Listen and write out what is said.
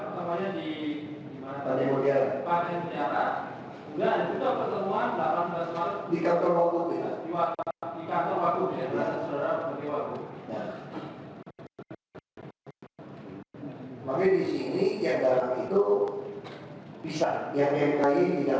sambil menunggu perbanyakan izin prinsip mereka akan memulai perlaksanaan pembangunan